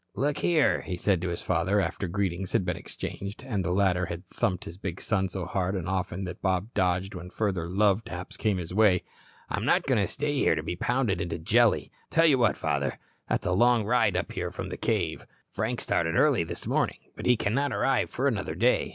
"Look here," he said to his father, after greetings had been exchanged, and the latter had thumped his big son so hard and often that Bob dodged when further "love taps" came his way. "I'm not going to stay here to be pounded into a jelly. Tell you what, father, that's a long ride up here from the cave. Frank started early this morning, but he cannot arrive for another day.